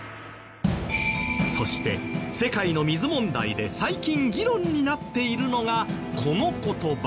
そして世界の水問題で最近議論になっているのがこの言葉。